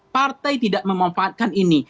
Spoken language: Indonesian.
partai tidak memanfaatkan ini